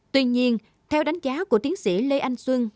tuy nhiên theo đánh giá của tiến sĩ lê anh xuân